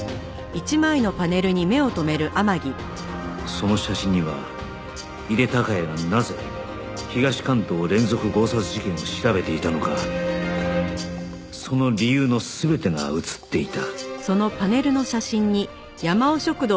その写真には井手孝也がなぜ東関東連続強殺事件を調べていたのかその理由の全てが写っていた